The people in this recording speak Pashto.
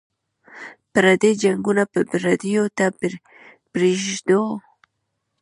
پردي جنګونه به پردیو ته پرېږدو.